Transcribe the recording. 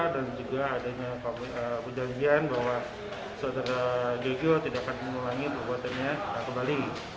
dan juga adanya kebudayaan bahwa saudara giorgio tidak akan menulangi perbuatannya kembali